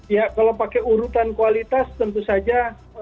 ya kalau pakai urutan kualitas tentu saja